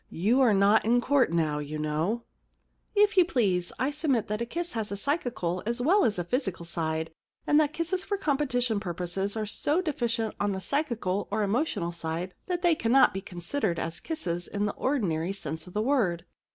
You are not in court now, you know/ * If you please, I submit that a kiss has a psychical as well as a physical side, and that kisses for competition purposes are so deficient on the psychical or emotional side that they cannot be considered as kisses in the ordinary sense of the word.